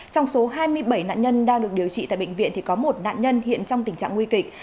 trong số hai mươi bảy nạn nhân đang được điều trị tại bệnh viện thì có một nạn nhân hiện trong tình trạng nguy kịch